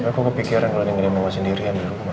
tapi aku kepikiran kalo nengene mama sendirian dulu ma